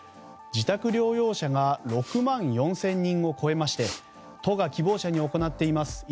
自宅療養者が６万４０００人を超えまして都が希望者に行っています